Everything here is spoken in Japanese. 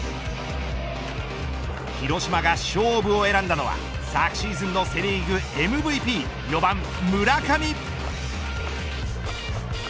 広島が勝負を選んだのは昨シーズンのセ・リーグＭＶＰ４番、村上。